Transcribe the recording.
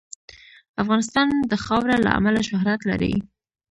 افغانستان د خاوره له امله شهرت لري.